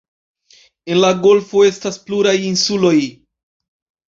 En la golfo estas pluraj insuloj.